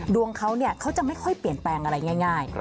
ดวงเขาเขาจะไม่ค่อยเปลี่ยนแปลงอะไรง่าย